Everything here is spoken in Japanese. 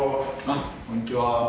あっこんにちは。